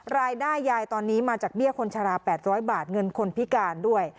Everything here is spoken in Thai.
รายได้ยายตอนนี้มาจากเบี้ยคนชะลา๘๐๐บาทเงินคนพิการด้วย